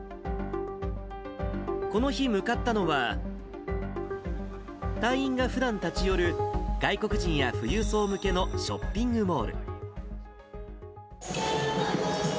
この日向かったのは、隊員がふだん立ち寄る、外国人や富裕層向けのショッピングモール。